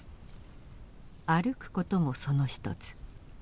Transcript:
「歩く」こともその一つ。